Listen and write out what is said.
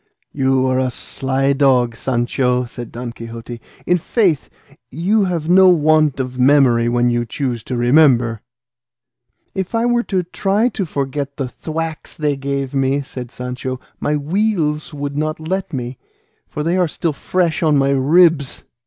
"You are a sly dog, Sancho," said Don Quixote; "i' faith, you have no want of memory when you choose to remember." "If I were to try to forget the thwacks they gave me," said Sancho, "my weals would not let me, for they are still fresh on my ribs."